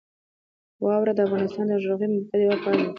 واوره د افغانستان د جغرافیایي موقیعت یوه پایله ده.